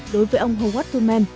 đối với ông howard thunman